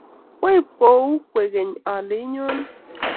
Kwaib kou kwekeny ale inyone